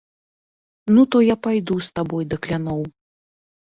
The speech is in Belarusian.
Ну то я прайду з табой да кляноў.